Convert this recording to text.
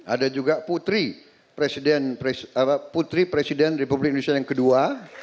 ada juga putri presiden republik indonesia yang kedua